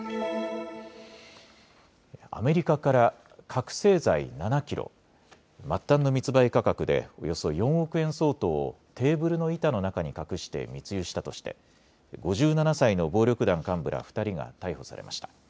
アメリカから覚醒剤７キロ、末端の密売価格でおよそ４億円相当をテーブルの板の中に隠して密輸したとして５７歳の暴力団幹部ら２人が逮捕されました。